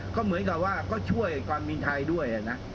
ก็เหมือนกับว่าก็ช่วยความบินไทยด้วยนะ